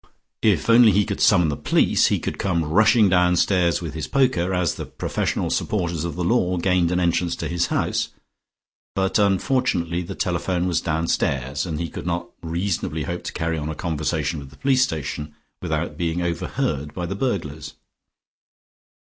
If only he could summon the police, he could come rushing downstairs with his poker, as the professional supporters of the law gained an entrance to his house, but unfortunately the telephone was downstairs, and he could not reasonably hope to carry on a conversation with the police station without being overheard by the burglars.